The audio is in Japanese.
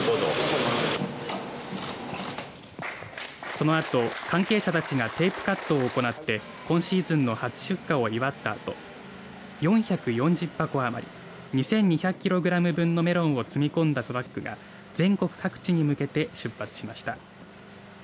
そのあと、関係者たちがテープカットを行って今シーズンの初出荷を祝ったあと４４０箱余り２２００キログラム分のメロンを積み込んだトラックが全国各地に向けて出発しました。